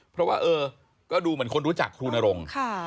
เพราะว่าเออก็ดูเหมือนคนรู้จักครูนรงค์